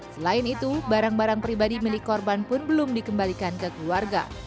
selain itu barang barang pribadi milik korban pun belum dikembalikan ke keluarga